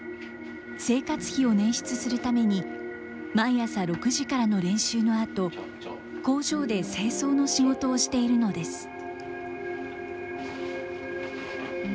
生活費を捻出するために、毎朝６時からの練習のあと、工場で清掃の仕事をしているのです。